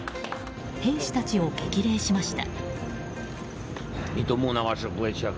兵士たちを激励しました。